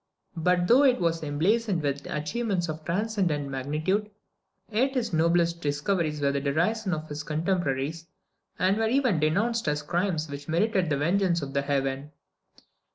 But though it was emblazoned with achievements of transcendent magnitude, yet his noblest discoveries were the derision of his contemporaries, and were even denounced as crimes which merited the vengeance of Heaven.